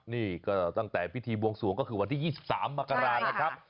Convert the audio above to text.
นี่ก็ตั้งแต่พิธีบวงสวงก็คือวันที่๒๓มกรานะครับ